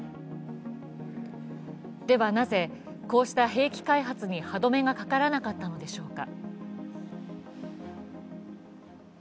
ではなぜ、こうした兵器開発に歯止めがかからなかったのでしょうか。